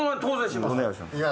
当然しますよ。